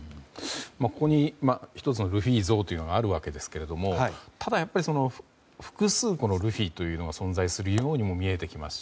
ここに１つのルフィ像があるわけですがただ、複数ルフィというのが存在するようにも見えてきますし